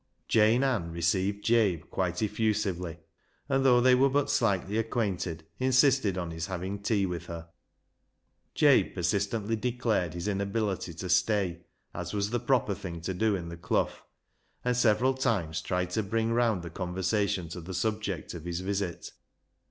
Jane Ann received Jabe quite effusively, and, though they were but slightly acquainted, insisted on his having tea with her. Jabe per sistently declared his inability to stay, as was the proper thing to do in the Clough, and several times tried to bring round the conversa tion to the subject of his visit.